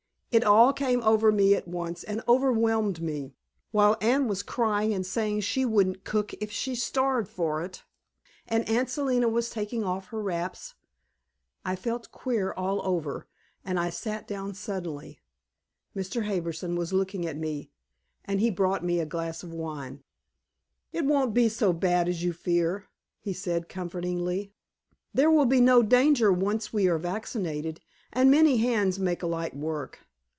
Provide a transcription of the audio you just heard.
It all came over me at once and overwhelmed me, while Anne was crying and saying she wouldn't cook if she starved for it, and Aunt Selina was taking off her wraps. I felt queer all over, and I sat down suddenly. Mr. Harbison was looking at me, and he brought me a glass of wine. "It won't be so bad as you fear," he said comfortingly. "There will be no danger once we are vaccinated, and many hands make light work.